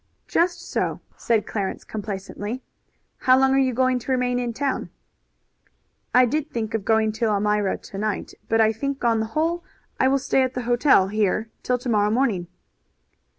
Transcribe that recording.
"Just so," said Clarence complacently. "How long are you going to remain in town?" "I did think of going to Elmira to night, but I think on the whole I will stay at the hotel here till to morrow morning."